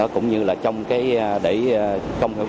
cũng như là trong cái để công hiệu công